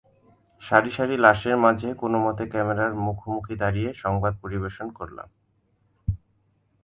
সারি সারি লাশের মাঝে কোনোমতে ক্যামেরার মুখোমুখি দাঁড়িয়ে সংবাদ পরিবেশন করলাম।